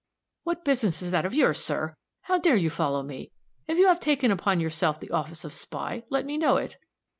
"What business is that of yours, sir? How dare you follow me? If you have taken upon yourself the office of spy, let me know it."